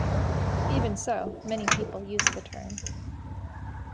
Even so, many people use the term.